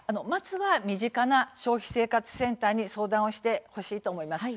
身近な消費生活センターに相談してほしいと思います。